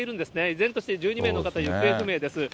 依然として１２名の方が行方不明です。